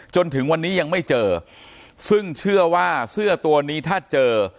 จนถึงวันนี้ยังไม่เจอซึ่งเชื่อว่าเสื้อตัวนี้ถ้าเจอ